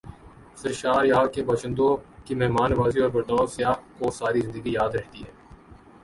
سرشاریہاں کے باشندوں کی مہمان نوازی اور برتائو سیاح کو ساری زندگی یاد رہتی ہیں ۔